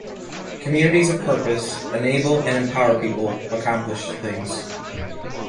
Communities of purpose enable and empower people accomplish things.